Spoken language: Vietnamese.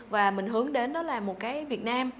và mình hướng đến đó là một cái việt nam